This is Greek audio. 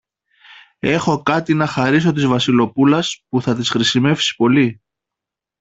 Έχω κάτι να χαρίσω της Βασιλοπούλας που θα της χρησιμεύσει πολύ.